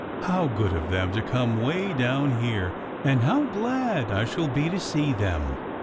"How good of them to come way down here, and how glad I shall be to see them!"